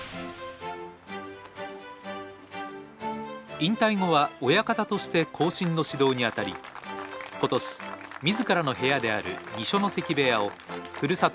引退後は親方として後進の指導に当たり今年自らの部屋である二所ノ関部屋をふるさと